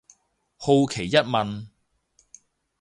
好奇一問